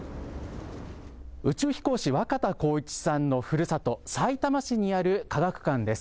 宇宙飛行士、若田光一さんのふるさと、さいたま市にある科学館です。